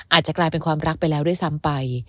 อาจจะกลายเป็นความรักไปแล้วด้วยซ้ำไป